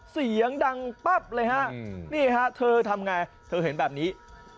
เสียงดังปั๊บเลยฮะนี่ฮะเธอทำไงเธอเห็นแบบนี้